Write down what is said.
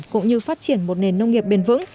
cũng như phát triển một nền nông nghiệp bền vững